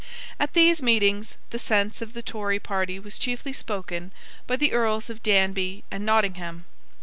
At these meetings the sense of the Tory party was chiefly spoken by the Earls of Danby and Nottingham.